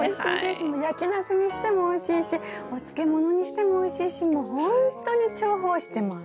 焼きナスにしてもおいしいしお漬物にしてもおいしいしもうほんとに重宝してます。